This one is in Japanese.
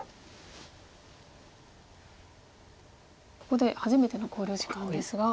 ここで初めての考慮時間ですが。